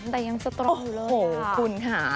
แต่ยังสตรองอยู่เลยโอ้โหคุณค่ะ